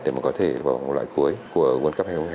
để có thể vào một loại cuối của world cup hai nghìn hai mươi hai